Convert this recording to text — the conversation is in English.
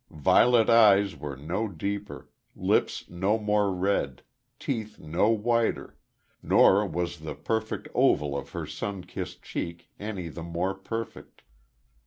Violet eyes were no deeper lips no more red teeth no whiter nor was the perfect oval of her sun kissed cheek any the more perfect.